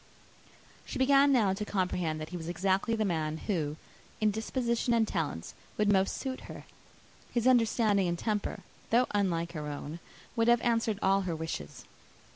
She began now to comprehend that he was exactly the man who, in disposition and talents, would most suit her. His understanding and temper, though unlike her own, would have answered all her wishes.